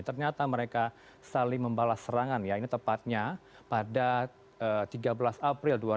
ternyata mereka saling membalas serangan ya ini tepatnya pada tiga belas april dua ribu dua puluh